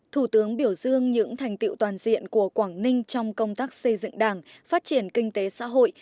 thủ tướng biểu dương những thành tiệu toàn diện của quảng ninh trong công tác xây dựng đảng phát triển kinh tế xã hội